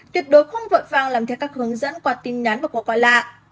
tuyệt đối không vội vàng làm theo các hướng dẫn qua tin nhắn và cuộc gọi lạ